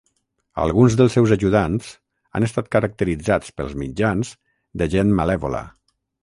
Alguns dels seus ajudants han estat caracteritzats pels mitjans de gent malèvola.